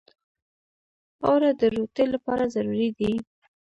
اوړه د روتۍ لپاره ضروري دي